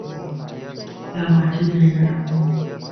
ايا مانجي ڀيڻ ائي